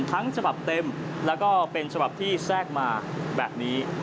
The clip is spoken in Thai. ทั้งฉบับเต็มและเป็นฉบับที่แทรกมาแบบนี้